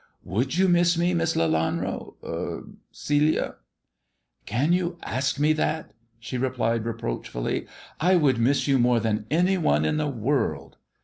" Would you miss me, Miss Leianro — Celia 1 "" Can you ask me that 1 " she replied reproachfully. " I would miss you more than any one in the world."